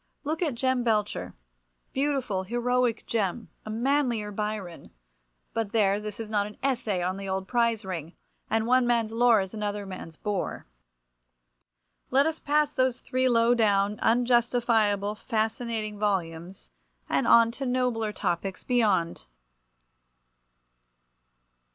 Look at Jem Belcher—beautiful, heroic Jem, a manlier Byron—but there, this is not an essay on the old prize ring, and one man's lore is another man's bore. Let us pass those three low down, unjustifiable, fascinating volumes, and on to nobler topics beyond!